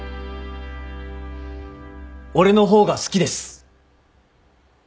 俺の方が好きです。